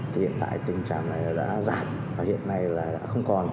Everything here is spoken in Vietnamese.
thì hiện tại tình trạng này đã giảm hiện nay là không còn